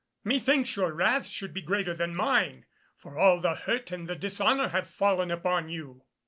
Methinks your wrath should be greater than mine, for all the hurt and the dishonour have fallen upon you.